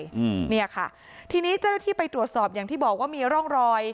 อืมเนี่ยค่ะทีนี้เจ้าหน้าที่ไปตรวจสอบอย่างที่บอกว่ามีร่องรอย